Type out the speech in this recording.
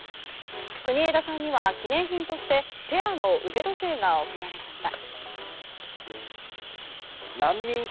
国枝さんには記念品としてペアの腕時計が贈られました。